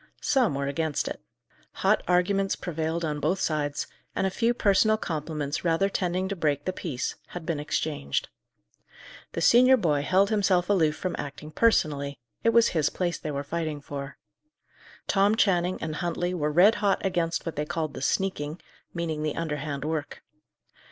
Some were against it. Hot arguments prevailed on both sides, and a few personal compliments rather tending to break the peace, had been exchanged. The senior boy held himself aloof from acting personally: it was his place they were fighting for. Tom Channing and Huntley were red hot against what they called the "sneaking," meaning the underhand work.